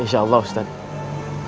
insya allah ustadz